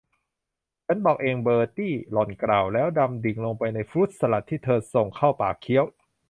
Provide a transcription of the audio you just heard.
ฉันบอกเองเบอร์ตี้ หล่อนกล่าว แล้วดำดิ่งลงไปในฟรุ้ตสลัดที่เธอส่งเข้าปากเคี้ยว